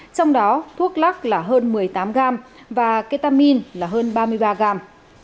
trong đó thuốc lắc là hơn một mươi tám gram và ketamin là hơn ba mươi ba gram